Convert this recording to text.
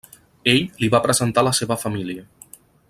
Ell li va presentar la seva família.